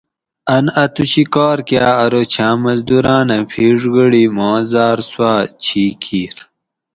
اۤن اتوشی کار کاۤ ارو چھاۤں مزدوراۤنہ پِھیڛ گۤڑی ماں زاۤر سوآۤ چھی کِیر